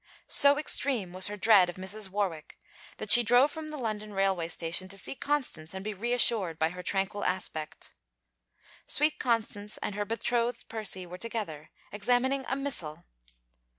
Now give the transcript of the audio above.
So extreme was her dread of Mrs. Warwick, that she drove from the London railway station to see Constance and be reassured by her tranquil aspect. Sweet Constance and her betrothed Percy were together, examining a missal.